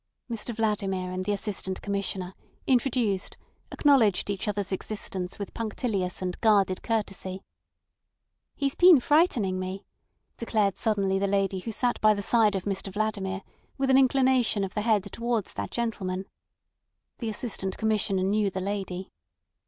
Mr Vladimir and the Assistant Commissioner, introduced, acknowledged each other's existence with punctilious and guarded courtesy. "He's been frightening me," declared suddenly the lady who sat by the side of Mr Vladimir, with an inclination of the head towards that gentleman. The Assistant Commissioner knew the lady.